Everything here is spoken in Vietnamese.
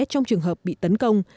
trong trường hợp bị tấn công